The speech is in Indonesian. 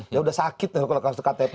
ya sudah sakit kalau masuk ktp